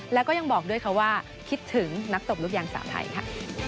แล้วก็ยังบอกด้วยค่ะว่าคิดถึงนักตบลูกยางสาวไทยค่ะ